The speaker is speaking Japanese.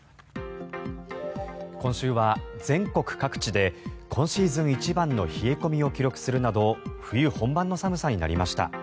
今週は全国各地で今シーズン一番の冷え込みを記録するなど冬本番の寒さになりました。